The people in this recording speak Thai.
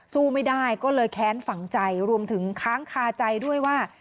สู้ไม่ได้ก็เลยแค้นฝังใจรวมถึงค้างคาใจด้วยว่า